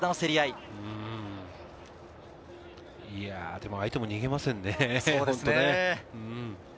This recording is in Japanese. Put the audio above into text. でも相手も逃げませんね。